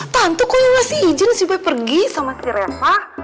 tante kok yang nasi ijin supaya pergi sama si reva